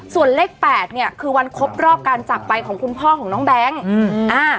ส่วนเลข๘เนี่ยคือวันครบรอบการจับไปของคุณพ่อของน้องแบงค์